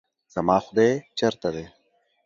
زما خداے چرته دے؟